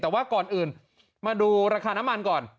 แต่ว่าก่อนอื่นมาดูราคาน้ำมันก่อน